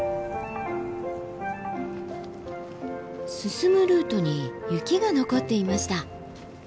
進むルートに雪が残っていました。